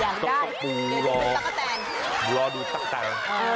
อยากได้ต้องก็ปูรอดูตะกะแตน